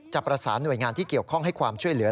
ประสานหน่วยงานที่เกี่ยวข้องให้ความช่วยเหลือ